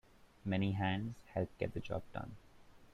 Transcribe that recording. Many hands help get the job done.